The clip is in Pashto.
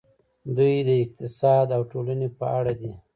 دوی د اقتصاد او ټولنې په اړه دي.